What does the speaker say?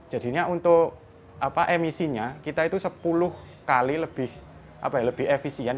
jadinya untuk emisinya kita itu sepuluh kali lebih efisien